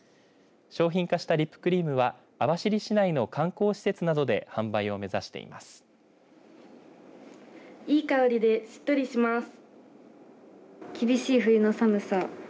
商品化したリップクリームは網走市内の観光施設などで販売を目指しています。